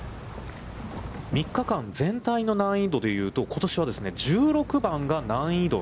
３日間全体の難易度で言うとことしはですね、１６番が難易度